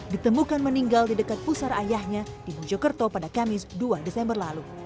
ditemukan meninggal di dekat pusar ayahnya di mojokerto pada kamis dua desember lalu